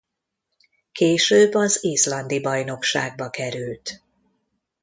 Később az izlandi bajnokságba került.